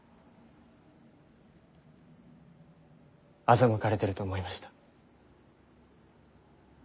欺かれてると思いました。